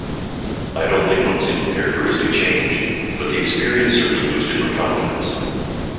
I don't think one single characteristic changed, but the experience certainly boosted my confidence.